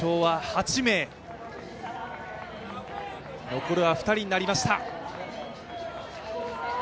残るは２人になりました。